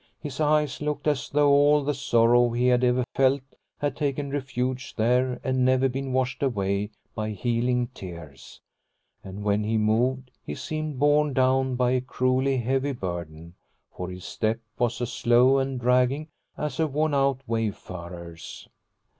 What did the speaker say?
His eyes looked as though all the sorrow he had ever 124 Liliecrona's Home felt had taken refuge there and never been washed away by healing tears, and when he moved he seemed borne down by a cruelly heavy burden, for his step was as slow and dragging as a worn out wayfarer's.